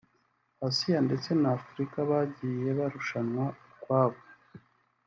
Asiya ndetse na Africa bagiye barushanwa ukwabo